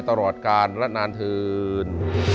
ตลอดการณ์และนานทืน